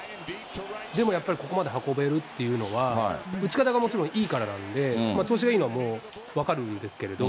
でもやっぱりここまで運べるというのは、打ち方がもちろんいいからなんで、調子がいいのはもう分かるんですけど。